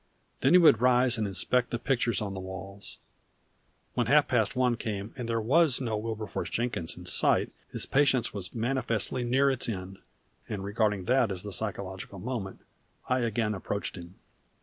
Then he would rise and inspect the pictures on the walls. When half past one came and there was no Wilberforce Jenkins in sight his patience was manifestly near its end, and regarding that as the psychological moment I again approached him.